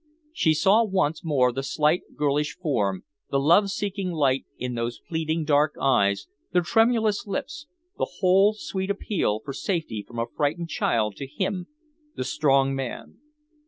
He saw once more the slight, girlish form, the love seeking light in those pleading dark eyes, the tremulous lips, the whole sweet appeal for safety from a frightened child to him, the strong man.